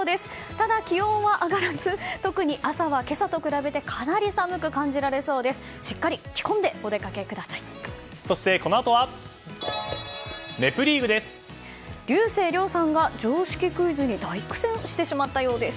ただ、気温は上がらず特に朝は今朝と比べてかなり寒く感じられそうです。